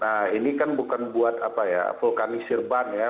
nah ini kan bukan buat vulkanisirban ya